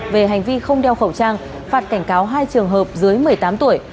về hành vi không đeo khẩu trang phạt cảnh cáo hai trường hợp dưới một mươi tám tuổi